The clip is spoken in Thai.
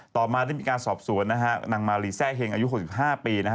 ต่อมาได้มีการสอบสวนนะฮะนางมาลีแซ่เฮงอายุ๖๕ปีนะฮะ